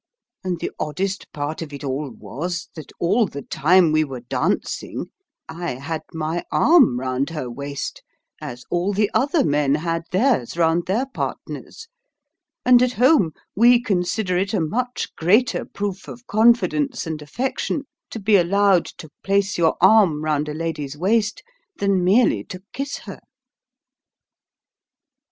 And the oddest part of it all was, that all the time we were dancing I had my arm round her waist, as all the other men had theirs round their partners; and at home we consider it a much greater proof of confidence and affection to be allowed to place your arm round a lady's waist than merely to kiss her."